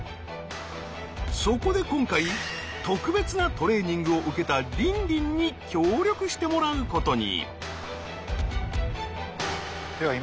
そこで今回特別なトレーニングを受けたリンリンに協力してもらうことに。